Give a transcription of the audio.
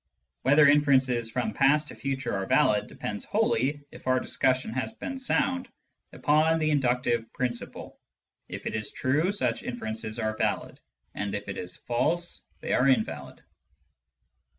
Whether inferences from past to future are valid depends wholly, if our discussion has been sound, upon the inductive principle : if it is true, such inferences are valid, and if it is false, they are invalid.